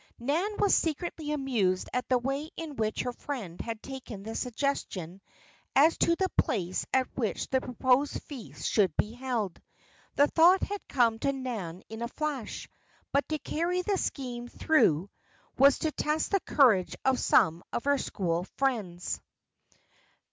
Nan was secretly amused at the way in which her friend had taken the suggestion as to the place at which the proposed feast should be held. The thought had come to Nan in a flash; but to carry the scheme through was to test the courage of some of her school friends.